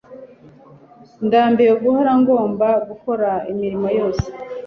Ndambiwe guhora ngomba gukora imirimo yose.